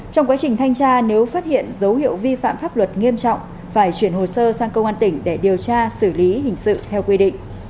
trong quá trình thanh tra nếu phát hiện dấu hiệu vi phạm pháp luật nghiêm trọng phải chuyển hồ sơ sang công an tỉnh để điều tra xử lý hình sự theo quy định